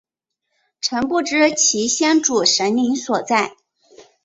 曾不知其先祖神灵所在。